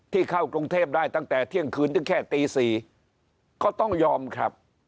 เข้ากรุงเทพได้ตั้งแต่เที่ยงคืนถึงแค่ตี๔ก็ต้องยอมครับ